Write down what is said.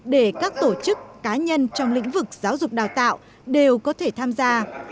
để các tổ chức cá nhân trong lĩnh vực giáo dục đào tạo đều có thể tham gia